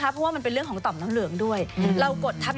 จะให้พันเป็นพิธาม